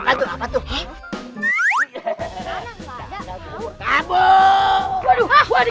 kau mau ngapain